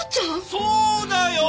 そうだよ！